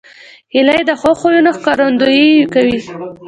هیلۍ د ښو خویونو ښکارندویي کوي